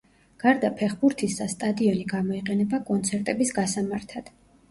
გარდა ფეხბურთისა, სტადიონი გამოიყენება კონცერტების გასამართად.